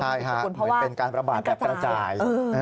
เพราะว่ามันกระจายนะครับเหมือนเป็นการระบาดแบบกระจาย